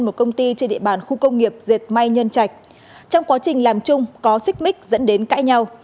may nhân trạch trong quá trình làm chung có xích mít dẫn đến cãi nhau